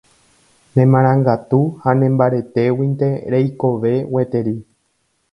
Nemarangatu ha nembaretéguinte reikove gueteri.